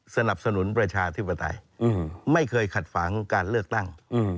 สนับสนุนประชาธิปไตยไม่เคยขัดขวางการเลือกตั้ง